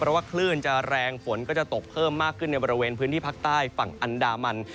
เพราะว่าคลื่นจะแรงฝนก็จะตกเพิ่มมากขึ้นในบริเวณพื้นที่ภาคใต้ฝั่งอันดามัน